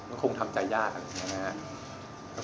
มันก็มันคงทำใจยากกันนะครับ